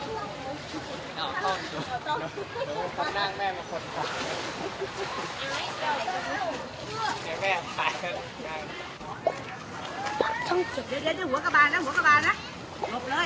แน่นานไม่มีเวลามีแข็งนอน